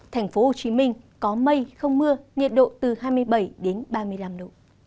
thành phố hồ chí minh có mây không mưa nhiệt độ từ hai mươi bảy ba mươi năm độ